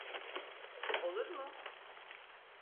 Olur mu?